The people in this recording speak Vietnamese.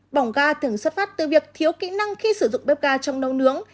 bỏng ga thường xuất phát từ việc thiếu kỹ năng khi sử dụng bếp ga trong nấu nướng